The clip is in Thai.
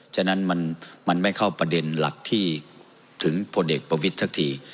ฉะนั้นมันไม่เข้าประเด็นหลักที่ถึงพลเอกประวิทย์สักที